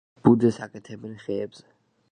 ბუდეს აკეთებენ ხეებზე.